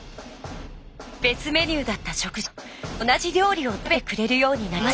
別メニューだった食事も同じ料理を食べてくれるようになりました。